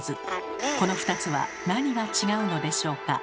この２つは何が違うのでしょうか？